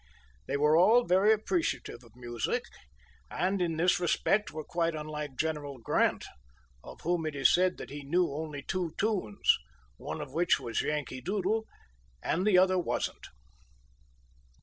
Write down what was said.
They were all very appreciative of music, and in this respect were quite unlike General Grant, of whom it is said that he knew only two tunes, one of which was "Yankee Doodle" and the other wasn't!